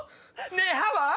ねぇ歯は？